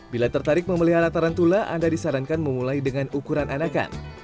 bila tertarik memelihara tarantula anda disarankan memulai dengan ukuran anakan